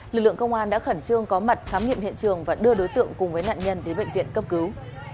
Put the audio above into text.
lực lượng công an đã khẩn trương có mặt khám nghiệm hiện trường và đưa đối tượng cùng với nạn nhân đến bệnh viện cấp cứu